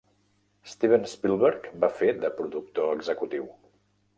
Steven Spielberg va fer de productor executiu.